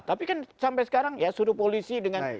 tapi kan sampai sekarang ya suruh polisi dengan